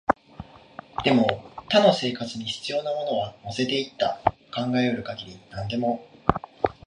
でも、他の生活に必要なものは乗せていった、考えうる限り何でも